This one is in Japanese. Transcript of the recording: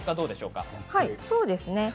そうですね